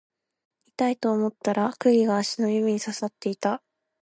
痛いと思ったら釘が足の指に刺さっていた